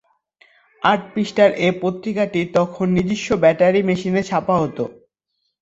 আট পৃষ্ঠার এ পত্রিকাটি তখন নিজস্ব রোটারী মেশিনে ছাপা হতো।